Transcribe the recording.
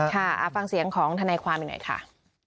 ค่ะฟังเสียงของทนายความหน่อยค่ะ